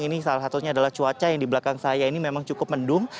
ini salah satunya adalah cuaca yang di belakang saya ini memang cukup mendung